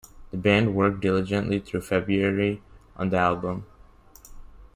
The band worked diligently through February on the album.